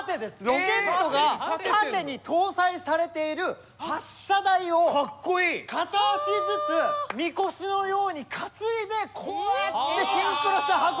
ロケットが縦に搭載されている発射台を片足ずつみこしのように担いでこうやってシンクロして運ぶんですよ。